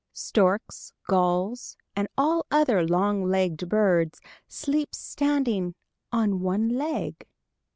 Storks, gulls and all other long legged birds sleep standing on one leg.